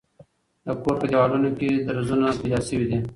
د کور په دېوالونو کې درځونه پیدا شوي دي.